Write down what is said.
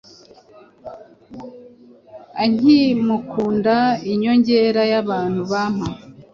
inkimukundainyongera yabantu bampa